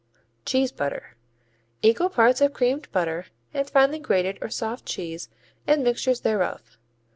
Cheese butter Equal parts of creamed butter and finely grated or soft cheese and mixtures thereof.